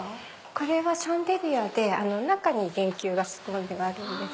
これはシャンデリアで中に電球が仕込んであるんです。